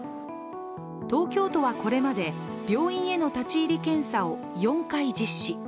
東京都はこれまで病院への立ち入り検査を４回実施。